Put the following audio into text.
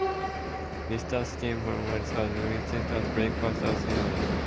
Mr. Skimpole was as agreeable at breakfast as he had been overnight.